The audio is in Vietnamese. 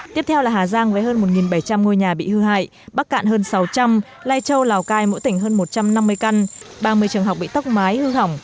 tiếp theo là hà giang với hơn một bảy trăm linh ngôi nhà bị hư hại bắc cạn hơn sáu trăm linh lai châu lào cai mỗi tỉnh hơn một trăm năm mươi căn ba mươi trường học bị tóc mái hư hỏng